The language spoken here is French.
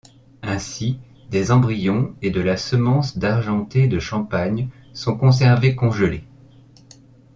Ainsi, des embryons et de la semence d'Argenté de Champagne sont conservés congelés.